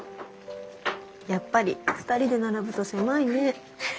やっぱり二人で並ぶと狭いね。